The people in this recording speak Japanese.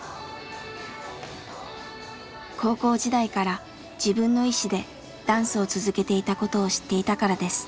高校時代から自分の意思でダンスを続けていたことを知っていたからです。